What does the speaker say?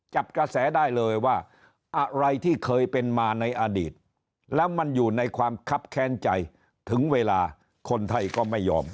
จับกระแสได้เลยว่าอะไรที่เคยเป็นมาในอดีตแล้วมันอยู่ในความคับแค้นใจถึงเวลาคนไทยก็ไม่ยอม